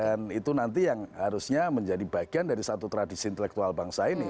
dan itu nanti yang harusnya menjadi bagian dari satu tradisi intelektual bangsa ini